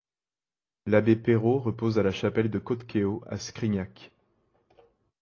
L'abbé Perrot repose à la chapelle de Coat-Kéo, à Scrignac.